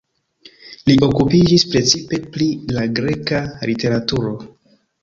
Li okupiĝis precipe pri la greka literaturo.